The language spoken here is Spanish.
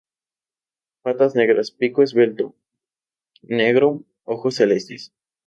Patas negras, pico esbelto negro, ojos celestes.